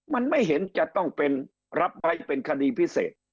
มันไม่เห็นจะต้องเป็นรับไว้เป็นคดีพิเศษ